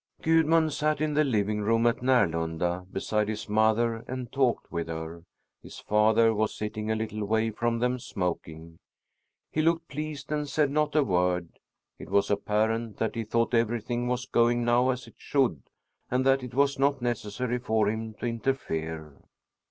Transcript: Gudmund sat in the living room at Närlunda beside his mother and talked with her. His father was sitting a little way from them, smoking. He looked pleased and said not a word. It was apparent that he thought everything was going now as it should and that it was not necessary for him to interfere.